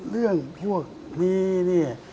เรื่องพวกนี้